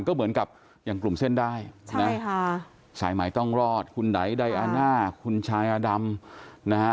ก็เหมือนกับอย่างกลุ่มเส้นได้นะฮะสายหมายต้องรอดคุณไดยไดอาณาคุณชายอดำ